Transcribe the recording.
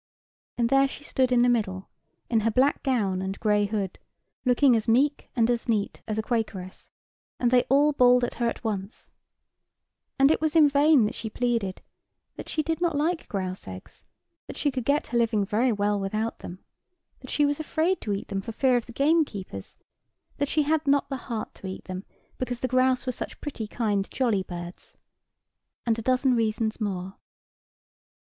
And there she stood in the middle, in her black gown and gray hood, looking as meek and as neat as a Quakeress, and they all bawled at her at once— And it was in vain that she pleaded— That she did not like grouse eggs; That she could get her living very well without them; That she was afraid to eat them, for fear of the gamekeepers; That she had not the heart to eat them, because the grouse were such pretty, kind, jolly birds; And a dozen reasons more.